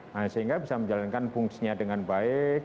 nah sehingga bisa menjalankan fungsinya dengan baik